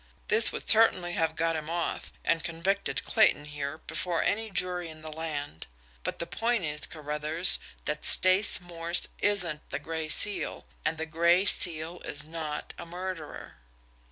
This would certainly have got him off, and convicted Clayton here before any jury in the land. But the point is, Carruthers, that Stace Morse ISN'T the Gray Seal and that the Gray Seal is NOT a murderer."